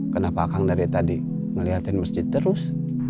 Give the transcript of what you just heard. kenapa kang dari tadi ngeliatin masjid terus